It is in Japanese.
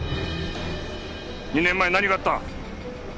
２年前何があった？